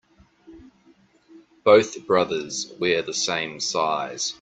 Both brothers wear the same size.